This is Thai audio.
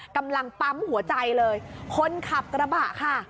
กำลังปั๊มหัวใจเลยคนขับกระบะค่ะ